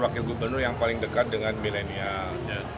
wakil gubernur yang paling dekat dengan milenial